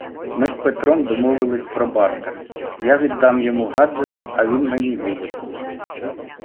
Ми з Петром домовились про бартер: я віддам йому гаджет, а він мені - вулик